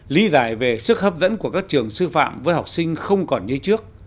lý giải về sức hấp dẫn của các trường sư phạm với học sinh không còn như trước